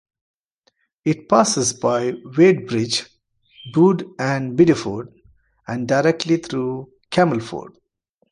It passes by Wadebridge, Bude and Bideford, and directly through Camelford.